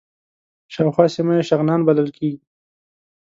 شاوخوا سیمه یې شغنان بلل کېږي.